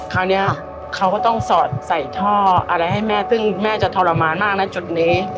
คราวนี้เขาก็ต้องสอดใส่ท่ออะไรให้แม่ซึ่งแม่จะทรมานมากนะจุดนี้